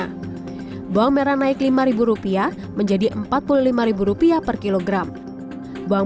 cabai merah turun lima ribu menjadi empat puluh lima ribu rupiah per kilogram